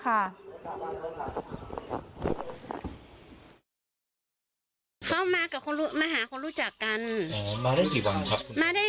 เข้ามาหาคนรู้จักกันมาได้กี่วันครับคุณป้า